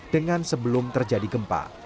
dengan sebelum terjadi gempa